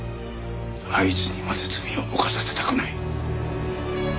あいつにまで罪を犯させたくない。